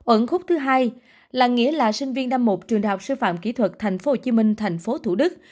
ổn khúc thứ hai là nghĩa là sinh viên năm một trường đạo sư phạm kỹ thuật thành phố hồ chí minh thành phố thủ đức